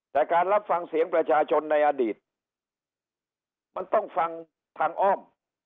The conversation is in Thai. แต่การรับฟังเสียงประชาชนในอดีตมันต้องฟังทางอ้อม